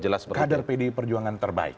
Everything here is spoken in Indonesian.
jelas kader pdi perjuangan terbaik